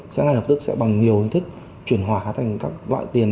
sẽ ngay lập tức sẽ bằng nhiều hình thức chuyển hóa thành các loại tiền